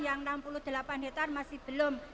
yang enam puluh delapan hektare masih belum